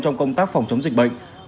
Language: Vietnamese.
trong công tác phòng chống dịch bệnh